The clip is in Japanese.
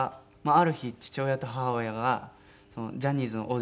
ある日父親と母親がジャニーズのオーディション。